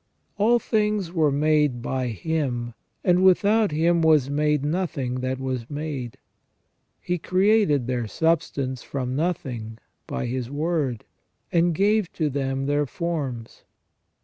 ^ All things were made by Him, and without Him was made nothing that was made." He created their substance from nothing by His Word, and gave to them their forms.